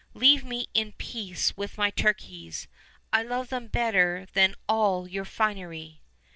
Leave me in peace with my turkeys; Hove them better than all your finery."